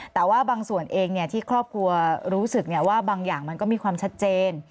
แต่ว่าบางส่วนเองที่ครอบครัวรู้สึกว่าบางอย่างมันก็มีความชัดเจน